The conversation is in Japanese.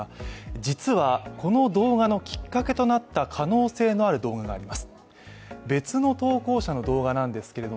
実は、この動画のきっかけとなった可能性のある動画があります。